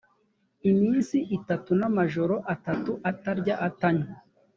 iminsi itatu n amajoro atatu atarya atanywa